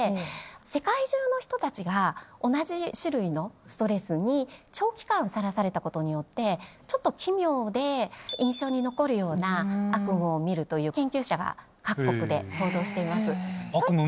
世界中の人たちが同じ種類のストレスに長期間さらされたことによってちょっと奇妙で印象に残るような悪夢を見るという研究者が各国で報道しています。